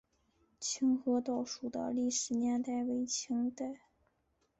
清河道署的历史年代为清代。